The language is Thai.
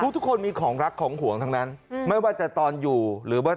ทุกคนมีของรักของห่วงทั้งนั้นไม่ว่าจะตอนอยู่หรือว่า